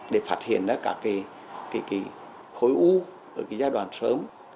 để phát hiện các cái khối u ở giai đoạn sớm